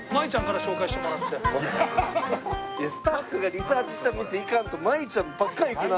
いやスタッフがリサーチした店行かんとマイちゃんばっか行くな。